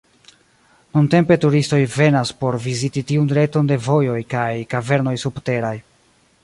Nuntempe turistoj venas por viziti tiun reton de vojoj kaj kavernoj subteraj.